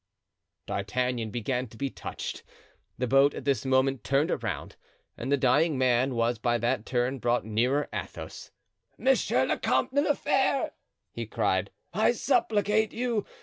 D'Artagnan began to be touched. The boat at this moment turned around, and the dying man was by that turn brought nearer Athos. "Monsieur the Comte de la Fere," he cried, "I supplicate you!